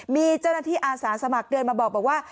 มีเจ้าหน้าที่อาสาสมัครเดินมาบอกว่า